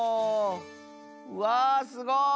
わすごい！